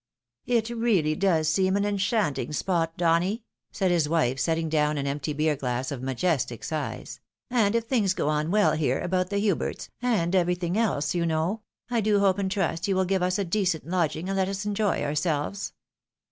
" It really does seem an enchanting spot, Donny," said his wife, setting down an empty beer glass, of majestic size ;" and if things go on weU here, about the Huberts, and everything 90 THE WIDOW MARRIED. else, you know, I do hope and trust you will give us a decent lodging, and let us enjoy ourselves."